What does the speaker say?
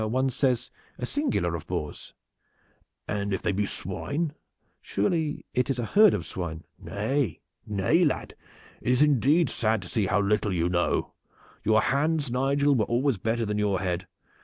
"One says a singular of boars." "And if they be swine?" "Surely it is a herd of swine." "Nay, nay, lad, it is indeed sad to see how little you know. Your hands, Nigel, were always better than your head.